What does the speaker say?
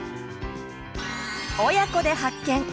「親子で発見！